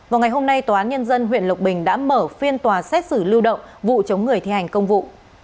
vào ngày hôm nay tòa án nhân dân huyện lộc bình đã mở phiên tòa xét xử lưu động vụ chống người thi hành công vụ